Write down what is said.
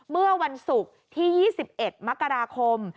เมื่อวันศุกร์ที่๒๑มกราคม